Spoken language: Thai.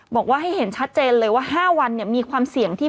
บอกว่าให้เห็นชัดเจนเลยว่า๕วันมีความเสี่ยงที่